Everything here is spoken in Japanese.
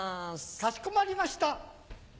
かしこまりました。